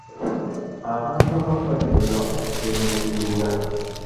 Abantu abamu banyumirwa okugenda mu biduula.